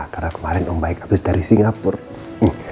karena kemarin om baik habis dari singapura